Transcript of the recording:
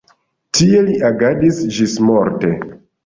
Tie li agadis ĝismorte.